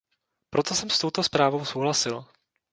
Proto jsem s touto zprávou souhlasil.